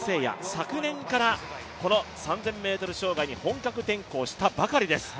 昨年からこの３０００ｍ障害に本格転向したばかりです。